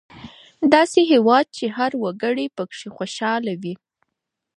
داسې هېواد چې هر وګړی پکې خوشحاله وي.